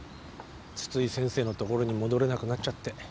津々井先生の所に戻れなくなっちゃって。